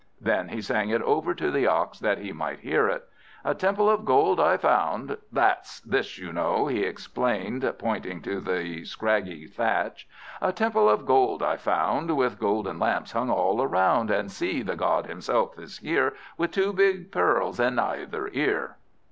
Then he sang it over to the Ox, that he might hear it. "'A temple all of gold I found ' "That's this, you know," he explained, pointing to the scraggy thatch "A temple all of gold I found, With golden lamps hung all around; And see! the God himself is here, With two big pearls in either ear."